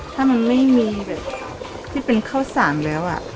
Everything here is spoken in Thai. ถ้ามันไม่มีแบบที่เป็นข้าวสารแล้ว